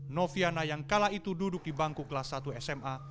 noviana yang kala itu duduk di bangku kelas satu sma